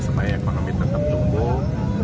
supaya ekonomi tetap tumbuh